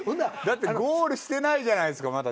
だってゴールしてないじゃないっすか。